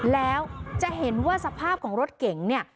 แล้วจะเห็นว่าสภาพของรถเก๋งเนี่ย